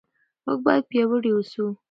موږ باید پیاوړي اوسو.